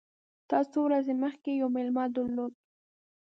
تا څو ورځي مخکي یو مېلمه درلود !